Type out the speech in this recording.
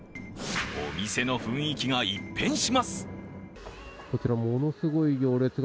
お店の雰囲気が一変します。